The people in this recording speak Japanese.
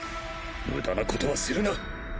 無駄なことはするな。